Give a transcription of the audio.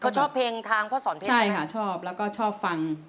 ใช่ค่ะชอบแล้วก็ชอบฟัง